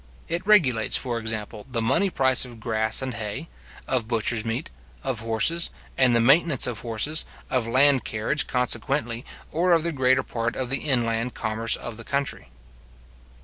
It regulates, for example, the money price of grass and hay, of butcher's meat, of horses, and the maintenance of horses, of land carriage consequently, or of the greater part of the inland commerce of the country.